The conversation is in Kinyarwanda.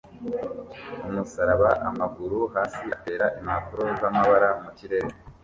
umusaraba amaguru hasi atera impapuro zamabara mukirere